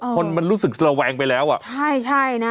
คนมันรู้สึกระแวงไปแล้วอ่ะใช่ใช่นะ